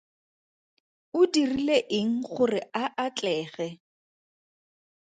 O dirile eng gore a atlege?